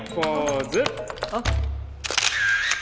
あっ。